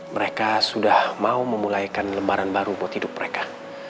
mereka sudah mau memulai lembaran baru buat hidup mereka